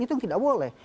itu yang tidak boleh